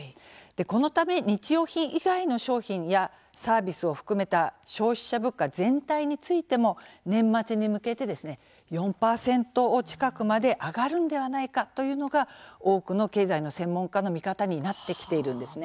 このため、日用品以外の商品やサービスを含めた消費者物価全体についても年末に向けて４％近くまで上がるんではないかというのが多くの経済の専門家の見方になってきているんです。